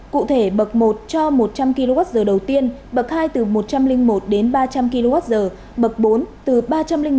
cụ thể bậc một cho một trăm linh kwh đầu tiên bậc hai từ một trăm linh một đến ba trăm linh kwh bậc bốn từ ba trăm linh một đến bốn trăm linh kwh